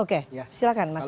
oke silahkan mas ade